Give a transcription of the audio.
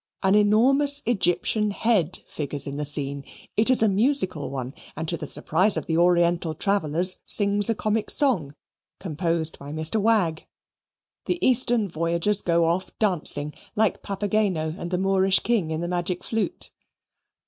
An enormous Egyptian head figures in the scene. It is a musical one and, to the surprise of the oriental travellers, sings a comic song, composed by Mr. Wagg. The Eastern voyagers go off dancing, like Papageno and the Moorish King in The Magic Flute.